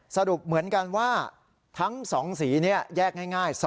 สรุปเหมือนกันว่าทั้ง๒สีนี้แยกง่าย